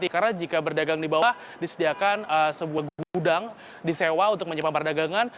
karena jika berdagang di bawah disediakan sebuah gudang disewa untuk menyimpan perdagangan